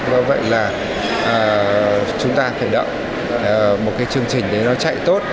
vì vậy là chúng ta phải đợi một cái chương trình để nó chạy tốt